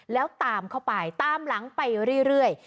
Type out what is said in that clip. แล้วตามเข้าไปตามหลังไปเรื่อย